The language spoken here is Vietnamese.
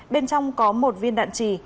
bên trong có một viên đạn trì